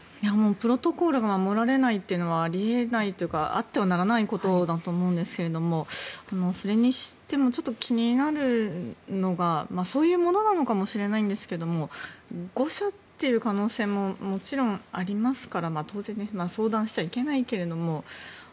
プロトコルが守られないというのはあり得ないというかあってはならないことだと思うんですがそれにしても気になるのがそういうものなのかもしれないんですが誤射という可能性ももちろんありますから当然装てんしちゃいけないけども。